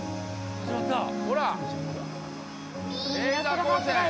始まったよ。